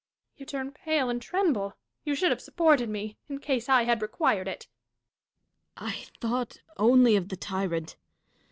You turn pale and tremble. You should have supported me, in case I had required it. Dashkof. I thought only of the tyrant.